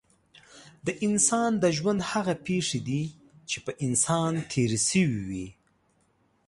د انسان د ژوند هغه پېښې دي چې په انسان تېرې شوې وي.